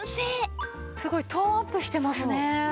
すごいトーンアップしてますね。